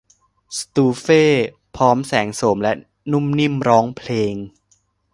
สตูเฟ่พร้อมแสงโสมและนุ่มนิ่มร้องเพลง